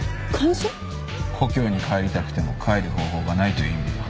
故郷に帰りたくても帰る方法がないという意味だ。